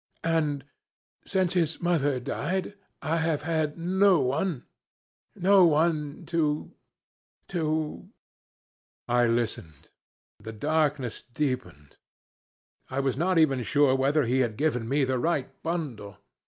And since his mother died I have had no one no one to to ' "I listened. The darkness deepened. I was not even sure whether he had given me the right bundle.